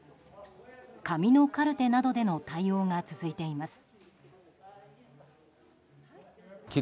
紙のカルテなどでの対応が続いています。